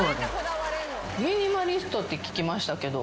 ミニマリストって聞きましたけど。